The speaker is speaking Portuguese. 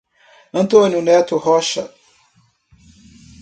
Antônio Neto Rocha